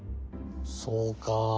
そうか。